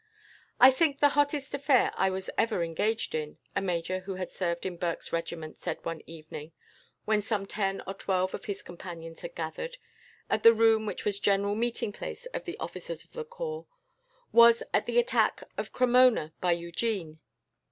"I think the hottest affair I was ever engaged in," a major, who had served in Burke's regiment, said one evening, when some ten or twelve of his companions had gathered, at the room which was the general meeting place of the officers of the corps, "was at the attack on Cremona by Eugene.